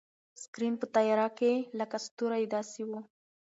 سکرین په تیاره کې لکه ستوری داسې و.